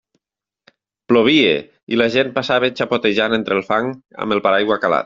Plovia, i la gent passava xapotejant entre el fang, amb el paraigua calat.